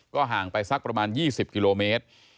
ห่างไปสักประมาณ๒๐กิโลเมตร